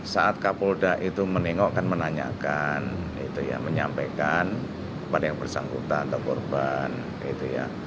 saat kapolda itu menengok kan menanyakan itu ya menyampaikan kepada yang bersangkutan atau korban gitu ya